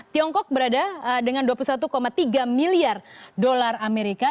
tiongkok berada dengan dua puluh satu tiga miliar dolar amerika